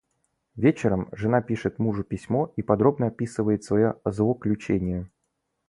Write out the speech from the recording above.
Вечером жена пишет мужу письмо и подробно описывает своё злоключение.